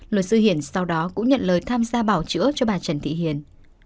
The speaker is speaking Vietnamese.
luật sư hiển sau đó cũng nhận lời tham gia bảo chữa cho bà trần thị hiền